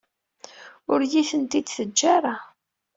Ur iyi-ten-id-teǧǧa ara.